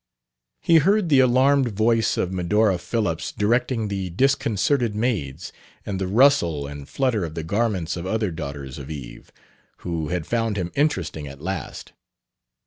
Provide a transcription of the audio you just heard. He heard the alarmed voice of Medora Phillips directing the disconcerted maids, and the rustle and flutter of the garments of other daughters of Eve, who had found him interesting at last.